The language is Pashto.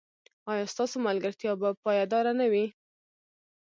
ایا ستاسو ملګرتیا به پایداره نه وي؟